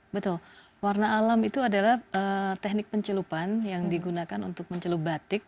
betul warna alam itu adalah teknik pencelupan yang digunakan untuk mencelup batik